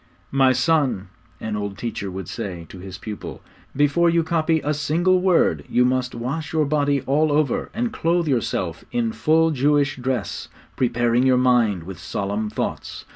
'My son,' an old teacher would say to his pupil, 'before you copy a single word you must wash your body all over, and clothe yourself in full Jewish dress, preparing your mind with solemn thoughts.